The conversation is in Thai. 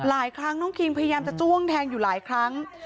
หลายครั้งน้องคิงพยายามจะจ้วงแทงอยู่หลายครั้ง